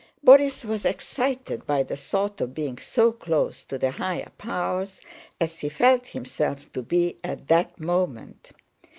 Borís was excited by the thought of being so close to the higher powers as he felt himself to be at that moment.